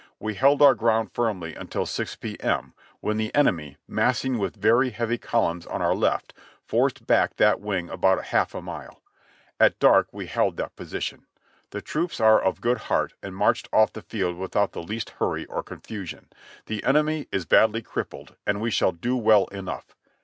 We held our ground firmly until 6 P. M. when the enemy, massing with very heavy columns on our left, forced back that wing about a half a mile. At dark we held that position. The troops are of good heart and marched off the field without the least hurry or confusion. The enemy is badly crippled and we shall do well enough.